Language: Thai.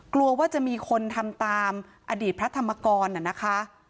กลัวว่าจะมีคนทำตามอดีตพระธรรมกรน่ะนะคะ